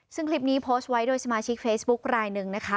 ซึ่งคลิปนี้โพสต์ไว้โดยสมาชิกเฟซบุ๊คลายหนึ่งนะคะ